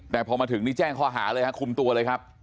แต่พอมาถึงนี่แจ้งข้อหาเลยฮะคุมตัวเลยครับ